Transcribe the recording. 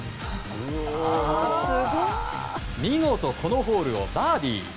見事、このホールをバーディー。